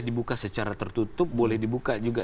dibuka secara tertutup boleh dibuka juga